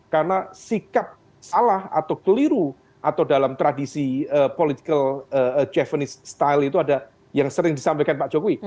karena sikap salah atau keliru atau dalam tradisi politik javanese style itu ada yang sering disampaikan pak jokowi